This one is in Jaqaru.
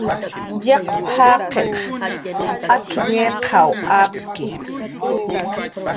"Yaqp"" jaqiq antz nik'iwa"